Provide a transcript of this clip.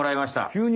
急に！